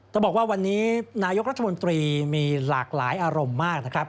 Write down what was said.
ต้องบอกว่าวันนี้นายกรัฐมนตรีมีหลากหลายอารมณ์มากนะครับ